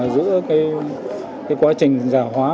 giữa cái quá trình giả hóa